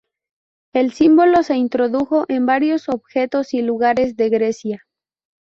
El símbolo se introdujo en varios objetos y lugares de Grecia.